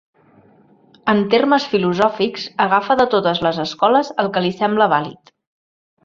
En termes filosòfics agafa de totes les escoles el que li sembla vàlid.